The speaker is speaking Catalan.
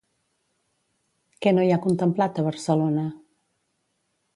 Què no hi ha contemplat a Barcelona?